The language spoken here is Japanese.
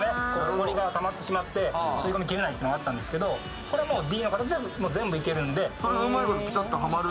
ほこりがたまってしまって吸い込みきれないっていうのがあったんですけどこれはもうＤの形でもう全部いけるんでそれがうまいことピタッとはまる？